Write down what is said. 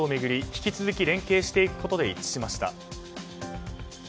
引き続き連携していくことで一致しました。